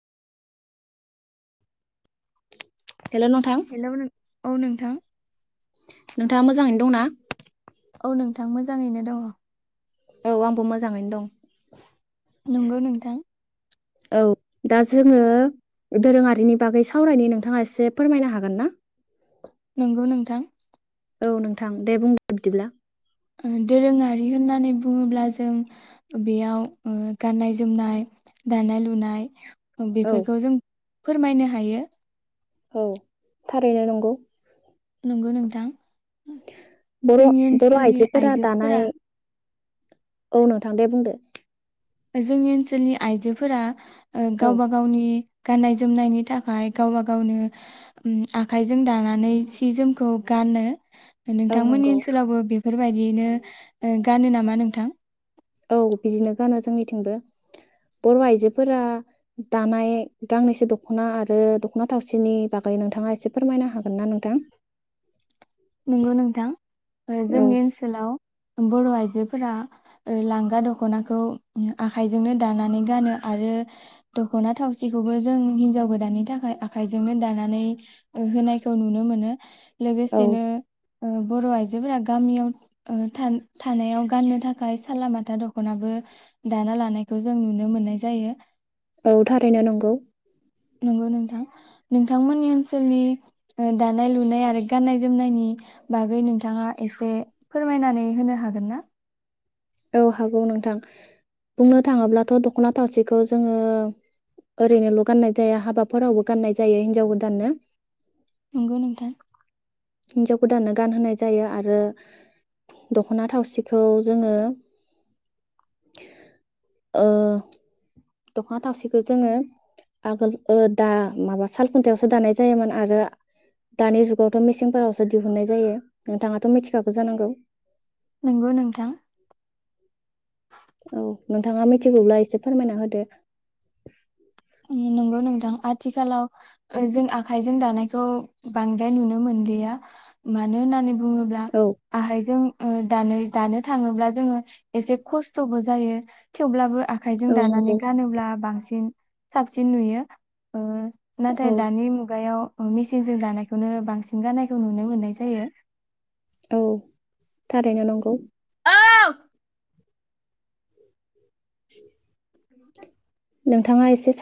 Hello नोंथां hello नों औ नोंथां नोंथाङा मोजाङैनो दंना? औ नोंथां मोजाङैनो दङ। औ आंबो मोजाङैनो दं। नंगौ नोंथां। औ दा जोङो दोरोङारिनि बागै सावरायनो नोंथाङा एसे फोरमायनो हागोन ना? नंगौ नोंथां औ नोंथां दे बुं बिदिब्ला दोरोङारि होननानै बुङोब्ला जों बेयाव ओ गाननाय- जोमनाय, दानाय लुनाय औ बेफोरखौ जों फोरमायनो हायो। औ थारैनो नंगौ। नंगौ नोंथां। बर' जोंनि बर' ओनसोलनि आइजोफोरा दानाय औ नोंथां दे बुंदो। जोंनि ओनसोलनि आइजोफोरा ओ औ गावबा गावनि गाननाय जोमनायनि थाखाय गावबा गावनो ओम आखाइजों दानानै सि जोमखौ गानो। औ नोंथांमोननि नंगौ ओनसोलावबो बे बेफोरबायदियैनो ओ गानो नामा नोंथां? औ बिदिनो गानो जोंनिथिंबो बर' आइजोफोरा दानाय गांनैसो दख'ना आरो दख'ना थावसिनि बागै नोंथाङा एसे फोरमायनो हागोन ना नोंथां? नंगौ नोंथां औ जोंनि ओनसोलाव बर' आइजोफोरा लांगा दख'नाखौ आखाइजोंनो दानानै गानो आरो दख'ना थावसिखौबो जों हिनजाव गोदाननि थाखाय आखाइजोंनो दानानै होनायखौ नुनो मोनो। औ दिनो ओ बर' आइजो आाइजोफोरा गामियाव ओ था-थानायाव गाननो थाखाय सालालामाथा दखनाबो दाना लानायखौ जों नुनो मोननाय जायो। औ थारैनो नंगौ। नंगौ नोंथां नोंथांमोननि ओनसोलनि दानाय लुनाय आरो गान्नाय जोमनायनि बागै नोंथाङा एसे फोरमायनानै होनो हागोन ना? औ हागौ नोंथां बुंनो थाङोब्लाथ' दख'ना थावसेखौ जोङो ओरैनोल' गाननाय जाया हाबाफोरावबो गाननाय जायो हिनजाव गोदाननो। नंगौ नोंथां। हिनजाव गोदाननो गानहोनाय जायो आरो दख'ना थावसिखौ जोङो ओ दख'ना थावसिखौ जोङो आगोल ओ दा माबा सालखुन्थायावसो दानाय जायोमोन आरो दानि जुगावथ' मेसेंफोरावसो दिहुनन्नाय जायो नोंथाङाथ' मिथिखागौ जानांगौ। नंगौ नोंथां। औ नोंथाङा मिथिगौब्ला एसे फोरमायना होदो। नंगौ नोंथां आथिखालाव ओ जों आखाइजों दानायखौ बांद्राय नुनो मोनलिया मानो होननानै बुङोब्ला औ आखाइजों ओ दानाय दानो थाङोब्ला जोङो एसे खस्थ'बो जायो थेवब्लाबो आखाइजों औ नंगौ दानानै गानोब्ला बांसिन उम। साबसिन नुयो। ओ औ नाथाय दानि मुगायाव अ मेसिनजों दानायखौनो बांसिन गाननायखौ नुनो मोननाय जायो। औ। थारैनो नंगौ। औ [inaudible] [inaudible] नोंथाङा एसे